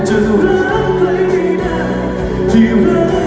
จะรักเลยไม่ได้แล้ว